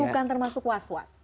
tapi itu bukan termasuk was was